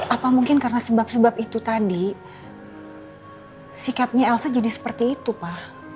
apa mungkin karena sebab sebab itu tadi sikapnya elsa jadi seperti itu pak